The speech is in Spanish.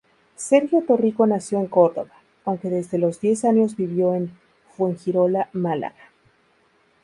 Sergio Torrico nació en Córdoba, aunque desde los diez años vivió en Fuengirola, Málaga.